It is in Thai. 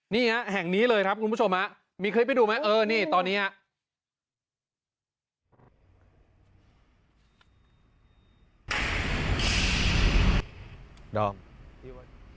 นี่แห่งนี้เลยครับคุณผู้ชมมั้ยมีเคล็ดไปดูมั้ยเออนี่ตอนนี้